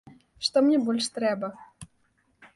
Што мне больш трэба?